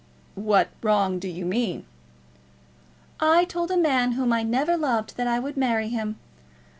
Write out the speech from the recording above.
"What wrong do you mean?" "I told a man whom I never loved that I would marry him.